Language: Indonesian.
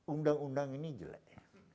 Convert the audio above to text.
undang undang ini jelek